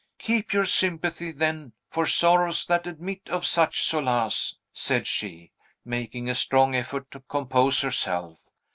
"Keep your sympathy, then, for sorrows that admit of such solace," said she, making a strong effort to compose herself.